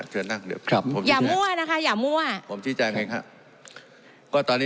เชิญนั่งเดี๋ยวครับผมอย่ามั่วนะคะอย่ามั่วผมชี้แจงเองครับก็ตอนนี้